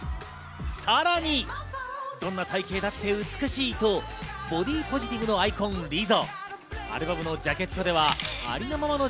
さらにどんな体形だって美しいとボディ・ポジティブのアイコン、リゾ。